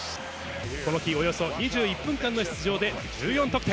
この日、およそ２１分間の出場で、１４得点。